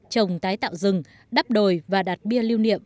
trồng tái tạo rừng đắp đồi và đặt bia lưu niệm